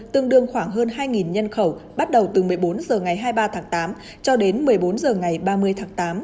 tương đương khoảng hơn hai nhân khẩu bắt đầu từ một mươi bốn h ngày hai mươi ba tháng tám cho đến một mươi bốn h ngày ba mươi tháng tám